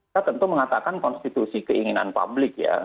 saya tentu mengatakan konstitusi keinginan publik ya